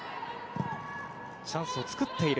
チャンスを作っている。